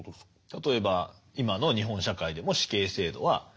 例えば今の日本社会でも死刑制度は。ありますよね。